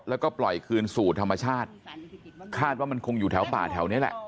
แล้วก็ปล่อยคืนสู่ธรรมชาติคาดว่ามันคงอยู่แถวป่าแถวนี้แหละ